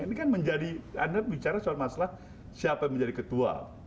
ini kan menjadi anda bicara soal masalah siapa yang menjadi ketua